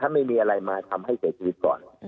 ไม่มีอะไรมาทำให้เสียชีวิตก่อน